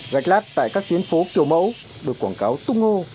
gạch lát tại các tuyến phố kiểu mẫu được quảng cáo tung hô